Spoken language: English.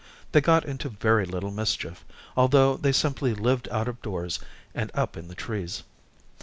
They got into very little mischief, although they simply lived out of doors, and up in the trees.